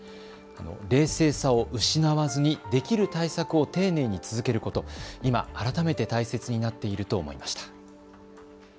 冷静さを失わずにできる対策を丁寧に続けること今改めて大切になっていると思いました。